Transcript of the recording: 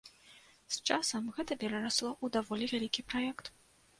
З часам гэта перарасло ў даволі вялікі праект.